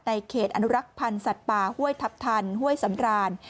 เขตอนุรักษ์พันธ์สัตว์ป่าห้วยทัพทันห้วยสำราน